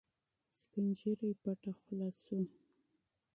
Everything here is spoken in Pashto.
سپین ږیری غلی شو.